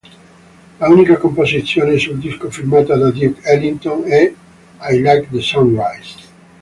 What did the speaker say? L'unica composizione sul disco firmata da Duke Ellington è "I Like the Sunrise".